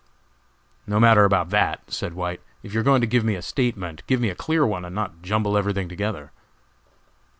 "No matter about that," said White; "if you are going to give me a statement, give me a clear one, and not jumble everything together."